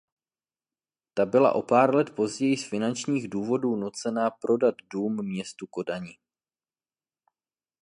Ta byla o pár let později z finančních důvodů nucena prodat dům městu Kodani.